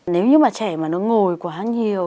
nếu như mà trẻ mà nó ngồi quá nhiều